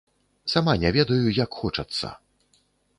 Сама не ведаю, як хочацца!